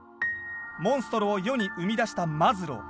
モンストロを世に生み出したマズロー。